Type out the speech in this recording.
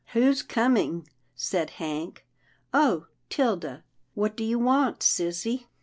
" Who's coming? " said Hank. " Oh ! Tilda — what do you want, sissy?